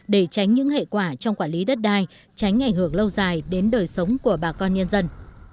để tránh những hệ quả trong quản lý đất đai tránh ảnh hưởng lâu dài đến đời sống của bà con nhân dân